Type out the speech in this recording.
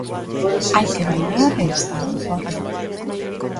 Hai que bailar e estar en forma.